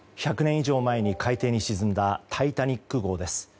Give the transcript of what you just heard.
以上前に海底に沈んだ「タイタニック号」です。